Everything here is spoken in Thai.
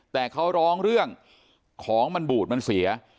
แต่เขาร้องเรื่องของมันบูดมันเสีย